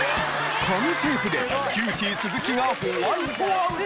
紙テープでキューティー鈴木がホワイトアウト。